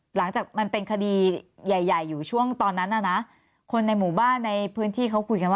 หลังจากมันเป็นคดีใหญ่ใหญ่อยู่ช่วงตอนนั้นน่ะนะคนในหมู่บ้านในพื้นที่เขาคุยกันว่า